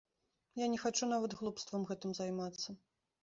Я не хачу нават глупствам гэтым займацца!